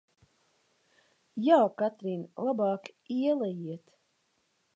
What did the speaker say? Jā, Katrīn, labāk ielejiet!